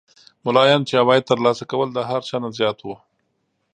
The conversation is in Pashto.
ملایانو چې عواید تر لاسه کول د هر چا نه زیات وو.